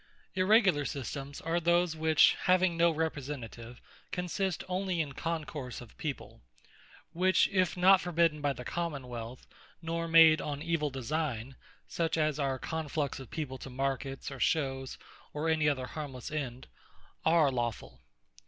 Irregular Systemes, are those which having no Representative, consist only in concourse of People; which if not forbidden by the Common wealth, nor made on evill designe, (such as are conflux of People to markets, or shews, or any other harmelesse end,) are Lawfull.